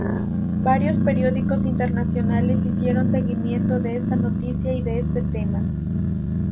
Varios periódicos internacionales hicieron seguimiento de esta noticia y de este tema.